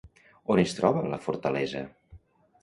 On es troba la fortalesa?